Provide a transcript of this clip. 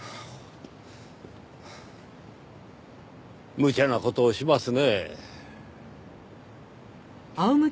むちゃな事をしますね。